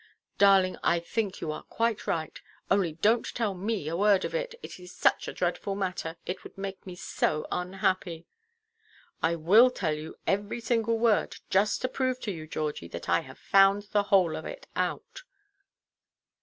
"Darling, I think you are quite right. Only donʼt tell me a word of it. It is such a dreadful matter, it would make me so unhappy——" "I will tell you every single word, just to prove to you, Georgie, that I have found the whole of it out."